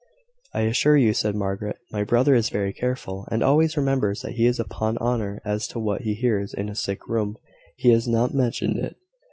"I assure you," said Margaret, "my brother is very careful, and always remembers that he is upon honour as to what he hears in a sick room. He has not mentioned it."